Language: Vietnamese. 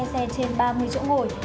xe trên ba mươi chỗ ngồi